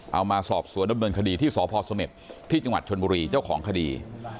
เอามาสอบสวนดำเนินคดีที่สพสเมษที่จังหวัดชนบุรีเจ้าของคดี